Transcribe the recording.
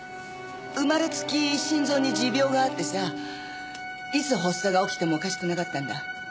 生まれつき心臓に持病があってさいつ発作が起きてもおかしくなかったんだ。